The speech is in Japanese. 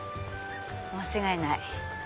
間違いない。